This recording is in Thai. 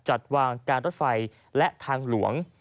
จัดวางการรถไฟและทางหลวง